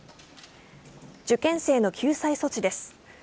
受験生の救済措置です。